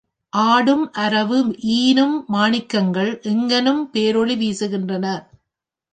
ஆடும் அரவு ஈனும் மாணிக்கங்கள் எங்கணும் பேரொளி வீசுகின்றன.